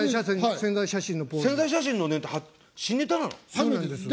宣材写真のネタ新ネタなの？